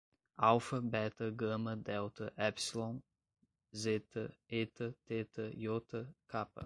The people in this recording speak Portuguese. alfa, beta, gama, delta, épsilon, zeta, eta, teta, iota, capa